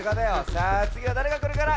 さあつぎはだれがくるかな？